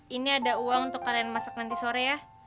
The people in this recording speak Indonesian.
ini ada uang untuk kalian masak nanti sore ya